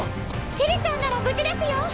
ティリちゃんなら無事ですよ。